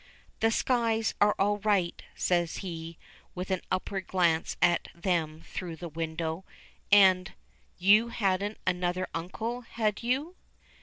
"The skys are all right," says he, with an upward glance at them through the window. "And you hadn't another uncle, had you?"